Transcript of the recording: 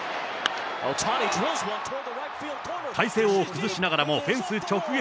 体勢を崩しながらもフェンス直撃。